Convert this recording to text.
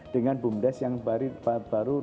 dengan bumdes yang baru